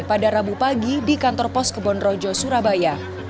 pada rabu pagi di kantor pos kebonrojo surabaya